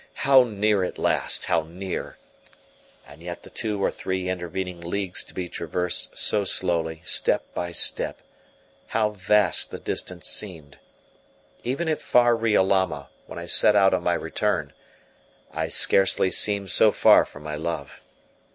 How near at last how near! And yet the two or three intervening leagues to be traversed so slowly, step by step how vast the distance seemed! Even at far Riolama, when I set out on my return, I scarcely seemed so far from my love.